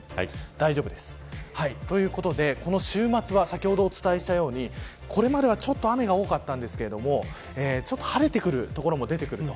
大丈夫です。ということで、この週末は先ほどお伝えしたようにこれまでは雨が多かったんですけれども晴れてくる所も出てくると。